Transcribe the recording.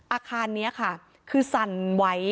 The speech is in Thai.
อาคารนี้ค่ะคือสั่นไว้